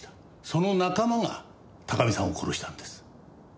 その仲間が高見さんを殺したんです。